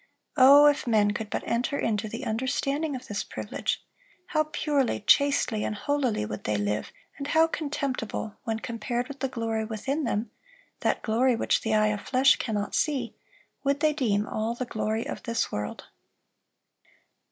Oh, if men could but enter into the understanding of this privilege, how purely, chastely, and holily would they live, and how contemptible, when compared with the glory within them,—that glory which the eye of flesh cannot see,—would they deem all the glory of this world."